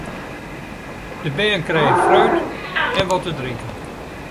De bern krije fruit en wat te drinken.